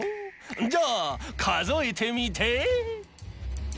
じゃあかぞえてみて？